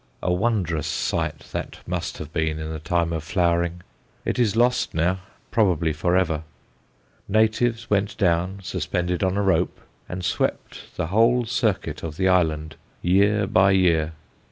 A wondrous sight that must have been in the time of flowering. It is lost now, probably for ever. Natives went down, suspended on a rope, and swept the whole circuit of the island, year by year.